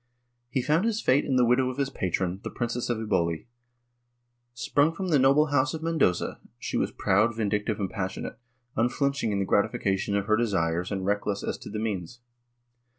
^ He found his fate in the widow of his patron, the Princess of Eboli. Sprung from the noble house of Mendoza, she was proud, vindictive and passionate, unflinching in the gratification of her desires and reckless as to the means.